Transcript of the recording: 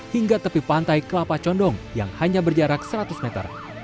hingga tepi pantai kelapa condong yang hanya berjarak seratus meter